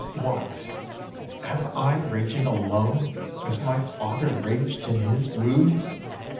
14. What! am I raging alone as my father raged in his mood?